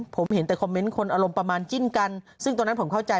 ผมเห็นแต่คอมเมนต์คนอารมณ์ประมาณจิ้นกันซึ่งตอนนั้นผมเข้าใจ